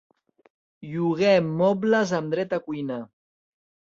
Lloguem mobles amb dret a cuina.